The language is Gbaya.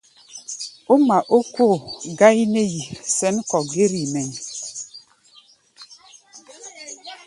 Ó ŋma ókóo gáí nɛ́ yi sɛ̌n kɔ̧ gɛ́r-yi mɛʼí̧.